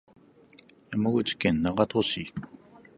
山口県長門市